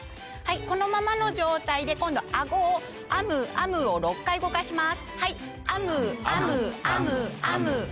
このままの状態で今度アゴを「あむあむ」を６回動かします。